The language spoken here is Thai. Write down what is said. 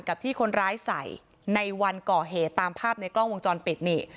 กับที่คนร้ายใส่ในวันก่อเหตุตามภาพในกล้องวงจรปิดนี่